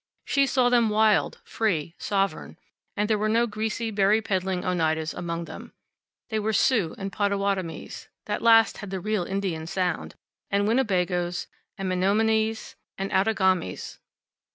She saw them wild, free, sovereign, and there were no greasy, berry peddling Oneidas among them. They were Sioux, and Pottawatomies (that last had the real Indian sound), and Winnebagos, and Menomonees, and Outagamis.